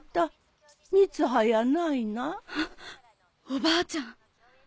おばあちゃん